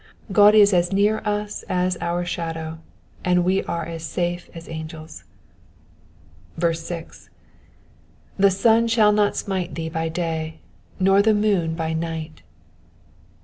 God is as near us as our shadow, and we are as safe as angels. 6. ^^The sun shaU not smite thee by day, nor the moon hy night.